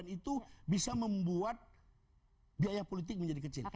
dan itu bisa membuat biaya politik menjadi kecil